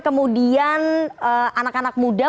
kemudian anak anak muda